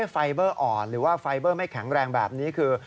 ไฟเบอร์อ่อนหรือว่าไฟเบอร์ไม่แข็งแรงแบบนี้คือ